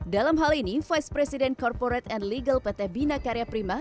dalam hal ini vice president corporate and legal pt bina karya prima